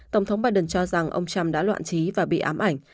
tổng thống biden cho rằng ông trump đã loạn trí và bị ám ảnh